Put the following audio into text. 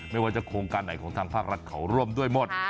ไม่ว่าจะโครงการไหนของทางภาครัฐเขาร่วมด้วยหมด